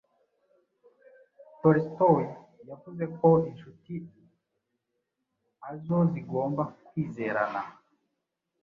Tolstoy yavuze ko inshuti azo zigomba kwizerana.